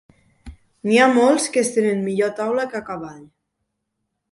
N'hi ha molts que es tenen millor a taula que a cavall.